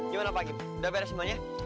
gimana pak udah beres semuanya